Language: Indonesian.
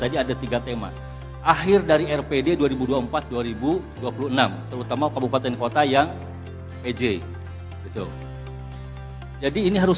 tadi ada tiga tema akhir dari rpd dua ribu dua puluh empat dua ribu dua puluh enam terutama kabupaten kota yang pj betul jadi ini harus